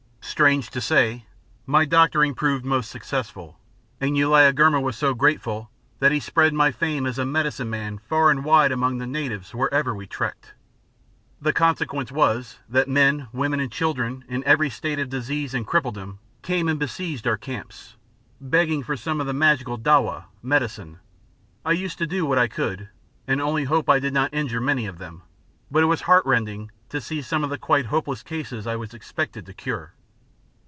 Strange to say, my doctoring proved most successful, and Uliagurma was so grateful that he spread my fame as a "medicine man" far and wide among the natives wherever we trekked. The consequence was that men, women and children in every state of disease and crippledom came and besieged our camps, begging for some of the magical dawa (medicine). I used to do what I could, and only hope I did not injure many of them; but it was heartrending to see some of the quite hopeless cases I was expected to cure.